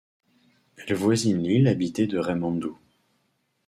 Elle voisine l'île habitée de Raimmandhoo.